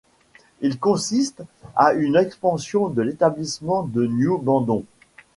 Il consiste en une expansion de l'établissement de New Bandon.